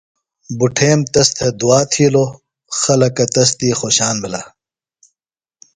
بُٹھِمیم تس تھےۡ دُعا تھِیلوۡ۔ خلکہ تس دیۡ خوشان بھِلہ۔